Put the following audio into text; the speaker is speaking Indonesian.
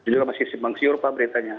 jadi masih simbang siur pak beritanya